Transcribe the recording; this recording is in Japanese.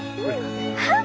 あっ！